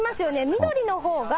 緑のほうが。